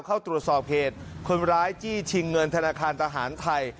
เข้าตรวจสอบเหตุคนร้ายจี้ชิงเงินธนาคารทหารไทย